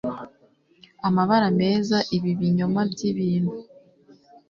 Amabara meza ibi binyoma byibintu